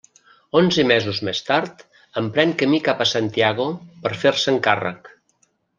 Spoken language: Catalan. Onze mesos més tard emprèn camí cap a Santiago per fer-se'n càrrec.